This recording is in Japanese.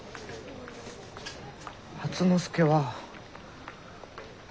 初之助は。